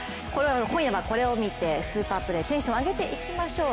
今夜はこれを見てスーパープレーテンションを上げていきましょう。